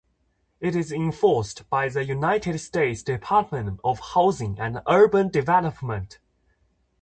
It is enforced by the United States Department of Housing and Urban Development.